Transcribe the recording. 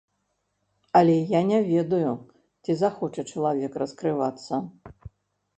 Але я не ведаю, ці захоча чалавек раскрывацца.